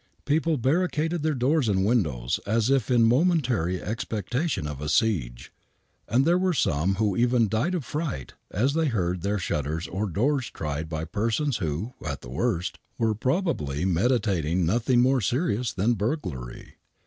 People barricaded their doors and windows as if in momentary expectation of a seige, and there were some who even died of fright as they heard their shutters or doors tried by persons who, at the worst, were probably meditating nothing more serious than burglary.